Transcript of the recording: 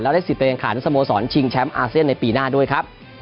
แล้วได้สิบเตรียมขาดนักสโมสรชิงแชมป์อาเซียนในปีหน้าด้วยครับ